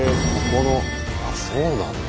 あそうなんだ。